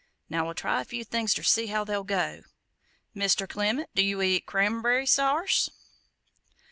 Now we'll try a few things ter see how they'll go! Mr. Clement, do you eat cramb'ry sarse?"